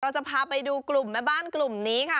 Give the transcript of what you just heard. จะพาไปดูกลุ่มแม่บ้านกลุ่มนี้ค่ะ